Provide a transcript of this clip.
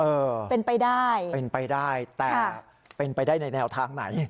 เออเป็นไปได้เป็นไปได้แต่เป็นไปได้ในแนวทางไหน